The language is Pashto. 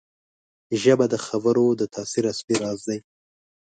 ژبه د خبرو د تاثیر اصلي راز دی